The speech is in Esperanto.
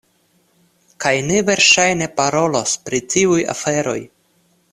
Kaj ni verŝajne parolos pri tiuj aferoj.